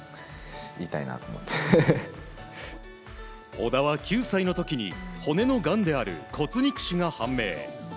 小田は９歳の時に骨のがんである骨肉腫が判明。